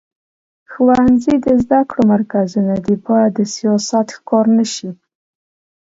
ښوونځي د زده کړو مرکزونه دي، باید د سیاست ښکار نه شي.